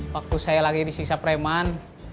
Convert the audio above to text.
waktu saya lagi disiksa preman